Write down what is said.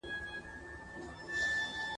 په نیژدې لیري ښارو کي آزمېیلی!.